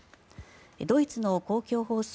ドイツの公共放送